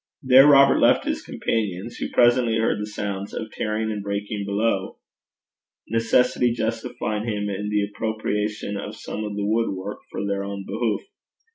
There Robert left his companions, who presently heard the sounds of tearing and breaking below, necessity justifying him in the appropriation of some of the wood work for their own behoof.